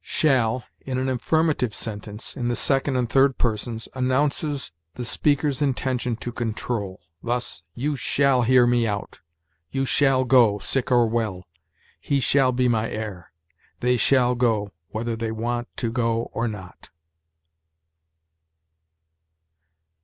SHALL, in an affirmative sentence, in the second and third persons, announces the speaker's intention to control. Thus, "You shall hear me out." "You shall go, sick or well." "He shall be my heir." "They shall go, whether they want to go or not."